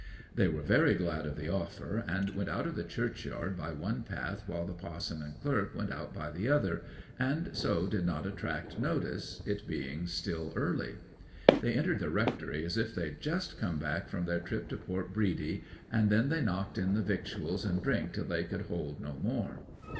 'They were very glad of the offer, and went out of the churchyard by one path while the pa'son and clerk went out by the other, and so did not attract notice, it being still early. They entered the rectory as if they'd just come back from their trip to Port Bredy; and then they knocked in the victuals and drink till they could hold no more.